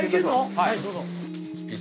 はいどうぞ。